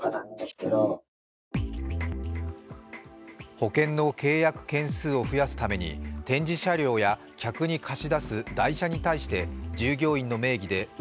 保険の契約件数を増やすために展示車両や客に貸し出す代車に対して従業員の名義でう